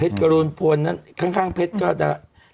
เพชรกระโลนพวนนั้นข้างเพชรก็จะ